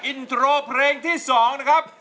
อินโทรเพลงที่๒นะครับ